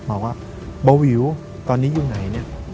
บอกว่าบอวิวตอนนี้อยู่ไหน